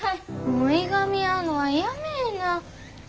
もういがみ合うのはやめえな。